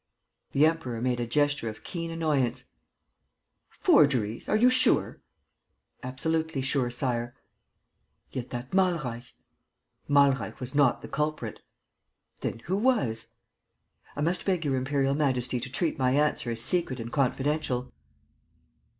The Emperor made a gesture of keen annoyance: "Forgeries? Are you sure?" "Absolutely sure, Sire." "Yet that Malreich ..." "Malreich was not the culprit." "Then who was?" "I must beg Your Imperial Majesty to treat my answer as secret and confidential.